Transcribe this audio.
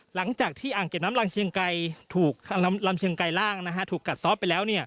หลังจากที่อ่างเก็บน้ำลำเชียงไกลล่างถูกกัดซ้อปไปแล้ว